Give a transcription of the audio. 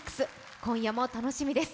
今夜も楽しみです。